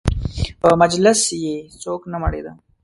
په مجلس یې څوک نه مړېده.